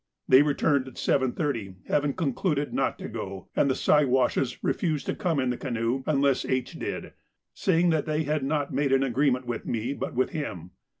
They returned at 7.30, having concluded not to go, and the Siwashes refused to come in the canoe unless H. did, saying they had not made an agreement with me but with him.